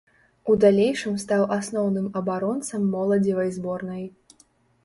У далейшым стаў асноўным абаронцам моладзевай зборнай.